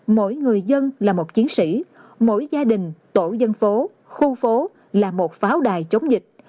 mỗi người dân là một chiến sĩ mỗi gia đình tổ dân phố khu phố là một pháo đài chống dịch